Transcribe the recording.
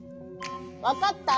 わかった？